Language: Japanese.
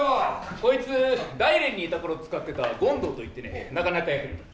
こいつ大連にいた頃使ってた権堂といってねなかなか役に立つ。